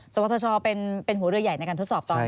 สวทชเป็นหัวเรือใหญ่ในการทดสอบตอนนี้